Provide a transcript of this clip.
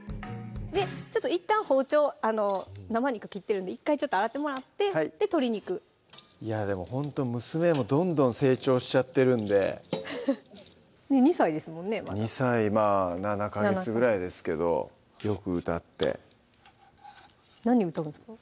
いったん包丁生肉切ってるんで１回ちょっと洗ってもらってで鶏肉いやでもほんと娘もどんどん成長しちゃってるんで２歳ですもんねまだ２歳７カ月ぐらいですけどよく歌って何歌うんですか？